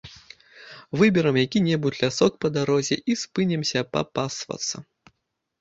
Выберам які-небудзь лясок па дарозе і спынімся папасвацца.